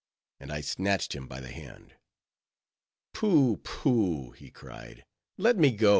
and I snatched him by the hand. "Pooh, pooh," he cried, "let me go.